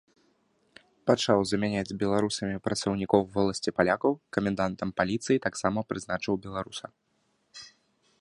Пачаў замяняць беларусамі працаўнікоў воласці палякаў, камендантам паліцыі таксама прызначыў беларуса.